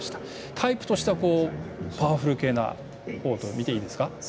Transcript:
タイプとしてはパワフル系だと見ていいですか？